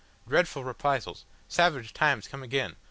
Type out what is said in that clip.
Dreadful reprisals. Savage times come again.